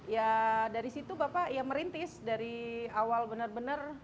ya dari situ bapak ya merintis dari awal benar benar